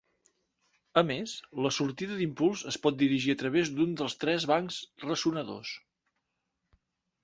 A més, la sortida d'impuls es pot dirigir a través d'un dels tres bancs ressonadors.